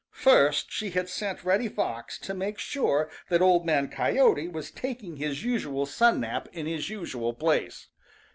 First she had sent Reddy Fox to make sure that Old Man Coyote was taking his usual sun nap in his usual place.